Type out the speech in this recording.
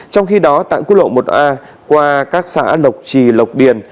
trong khi đó tại quốc lộ một a qua các xã lộc trì lộc điền